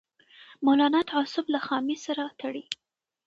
مولانا تعصب له خامۍ سره تړي